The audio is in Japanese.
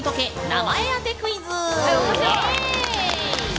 名前当てクイズ！